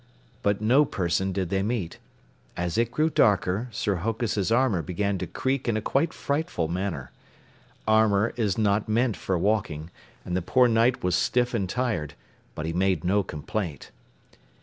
But no person did they meet. As it grew darker, Sir Hokus' armor began to creak in a quite frightful manner. Armor is not meant for walking, and the poor Knight was stiff and tired, but he made no complaint.